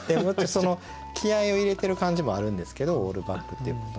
気合いを入れてる感じもあるんですけどオールバックっていうことに。